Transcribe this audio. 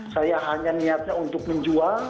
saya hanya niatnya untuk menjual